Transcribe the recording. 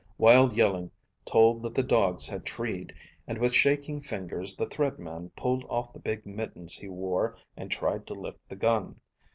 Wild yelling told that the dogs had treed, and with shaking fingers the Thread Man pulled off the big mittens he wore and tried to lift the gun.